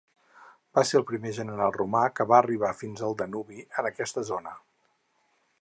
Va ser el primer general romà que va arribar fins al Danubi en aquesta zona.